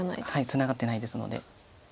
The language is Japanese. ツナがってないですので。